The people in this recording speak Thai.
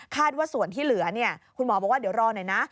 ว่าส่วนที่เหลือคุณหมอบอกว่าเดี๋ยวรอหน่อยนะ